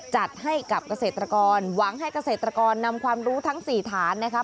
จัดให้กับเกษตรกรหวังให้เกษตรกรนำความรู้ทั้ง๔ฐานนะคะ